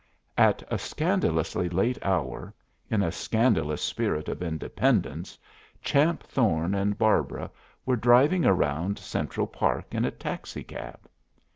At a scandalously late hour, in a scandalous spirit of independence, Champ Thorne and Barbara were driving around Central Park in a taxicab.